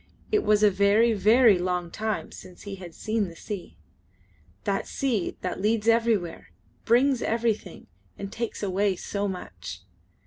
It was a very, very long time since he had seen the sea that sea that leads everywhere, brings everything, and takes away so much.